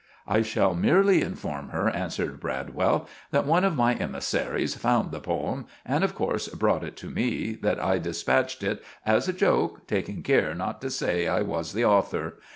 "I shall merely inform her," answered Bradwell, "that one of my emissaceries found the poem, and, of course, brought it to me; that I despatched it as a joke, taking care not to say I was the auther.